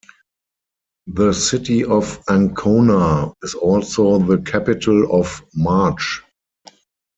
The city of Ancona is also the capital of Marche.